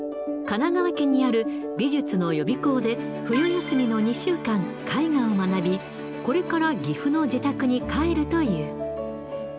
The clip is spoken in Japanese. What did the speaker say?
神奈川県にある美術の予備校で、冬休みの２週間、絵画を学び、これから岐阜の自宅に帰るという。